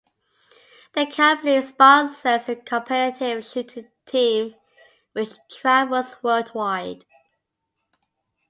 The company sponsors a competitive shooting team which travels worldwide.